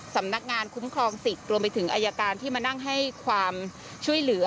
สำนักงานคุ้มครองสิทธิ์รวมไปถึงอายการที่มานั่งให้ความช่วยเหลือ